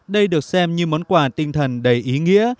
đây được xem như món quà tinh thần đầy ý nghĩa